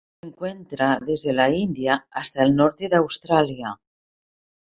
Se encuentra desde la India hasta el norte de Australia.